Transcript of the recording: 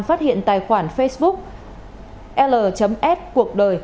phát hiện tài khoản facebook l s cuộc đời